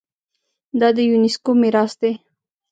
دا د یونیسکو میراث دی.